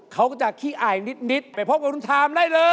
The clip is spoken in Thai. เขาก็จะขี้อายนิดไปพบกับลุงทามได้เลย